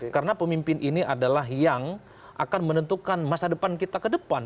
karena pemimpin ini adalah yang akan menentukan masa depan kita ke depan